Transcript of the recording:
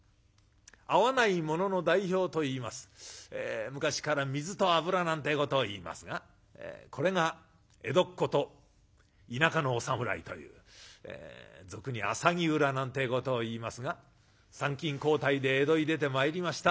合わないものの代表といいますと昔から「水と油」なんてえことをいいますがこれが江戸っ子と田舎のお侍という俗に「浅葱裏」なんてえことをいいますが参勤交代で江戸へ出てまいりました